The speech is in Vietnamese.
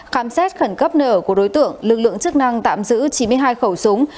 khám xét khẩn cấp nợ của đối tượng lực lượng chức năng tạm giữ chín mươi hai khẩu súng